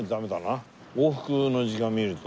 往復の時間みると。